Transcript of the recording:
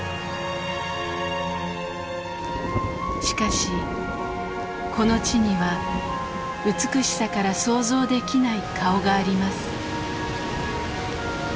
しかしこの地には美しさから想像できない顔があります。